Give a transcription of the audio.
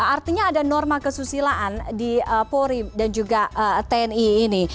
artinya ada norma kesusilaan di polri dan juga tni ini